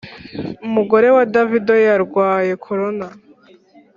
Umugore wa davido yarwaye corona